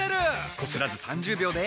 こすらず３０秒で。